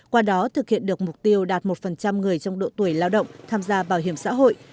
qua đó thực hiện được mục tiêu đạt một người trong độ tuổi lao động tham gia bảo hiểm xã hội